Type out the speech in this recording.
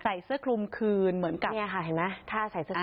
ใส่เสื้อคลุมคืนเหมือนกับเนี่ยค่ะเห็นไหมถ้าใส่เสื้อกัน